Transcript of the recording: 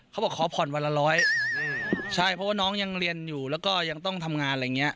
ขอผ่อนวันละร้อยใช่เพราะว่าน้องยังเรียนอยู่แล้วก็ยังต้องทำงานอะไรอย่างเงี้